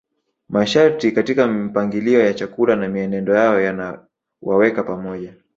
Masharti katika mipangilio ya chakula na mienendo yao yanawaweka pamoja